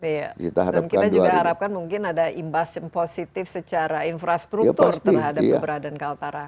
dan kita juga harapkan mungkin ada imbas positif secara infrastruktur terhadap keberadaan kaltara